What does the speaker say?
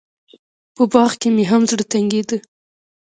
په باغ کښې مې هم زړه تنګېده.